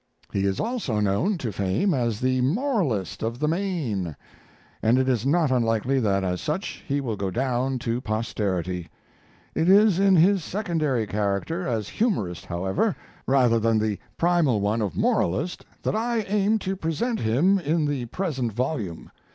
He is also known to fame as The Moralist of the Main; and it is not unlikely that as such he will go down to posterity. It is in his secondary character, as humorist, however, rather than in the primal one of moralist, that I aim to present him in the present volume.